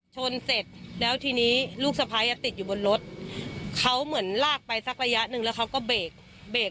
ชนเสร็จแล้วทีนี้ลูกสะพ้ายอ่ะติดอยู่บนรถเขาเหมือนลากไปสักระยะหนึ่งแล้วเขาก็เบรกเบรก